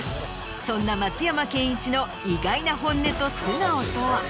そんな松山ケンイチの意外な本音と素顔とは？